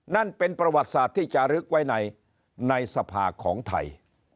นั่นเป็นประวัติศาสตร์ที่จะลึกไว้ในสภาของไทย